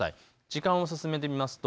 時間を進めてみます。